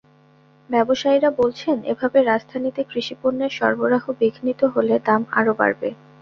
ব্যবসায়ীরা বলছেন, এভাবে রাজধানীতে কৃষিপণ্যের সরবরাহ বিঘ্নিত হলে দাম আরও বাড়বে।